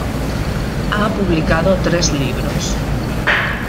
Ha publicado tres libros.